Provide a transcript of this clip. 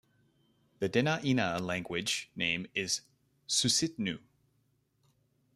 The Dena'ina language name is "Susitnu".